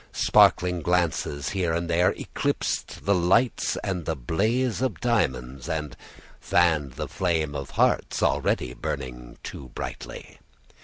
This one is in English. Sparkling glances here and there eclipsed the lights and the blaze of the diamonds, and fanned the flame of hearts already burning too brightly.